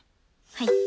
はい。